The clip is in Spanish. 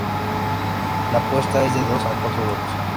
La puesta es de dos a cuatro huevos.